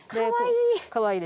かわいい。